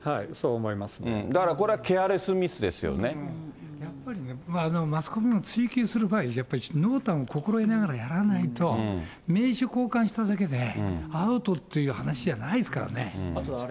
だからこれはケアレスミスでやっぱりね、マスコミも追及する場合、濃淡を心得ながらやらないと、名刺を交換しただけでアウトっていう話じゃないですからね。